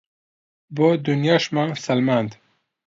بۆ دونیاشمان سەلماند